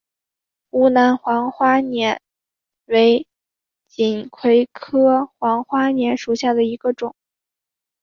湖南黄花稔为锦葵科黄花稔属下的一个种。